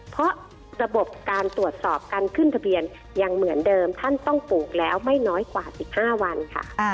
เพราะระบบการตรวจสอบการขึ้นทะเบียนยังเหมือนเดิมท่านต้องปลูกแล้วไม่น้อยกว่า๑๕วันค่ะ